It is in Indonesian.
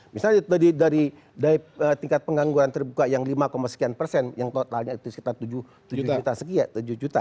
misalnya dari tingkat pengangguran terbuka yang lima sekian persen yang totalnya itu sekitar tujuh juta sekian tujuh juta